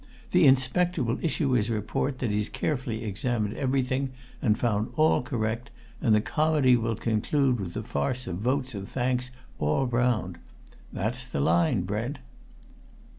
The Inspector will issue his report that he's carefully examined everything and found all correct, and the comedy will conclude with the farce of votes of thanks all round! That's the line, Brent."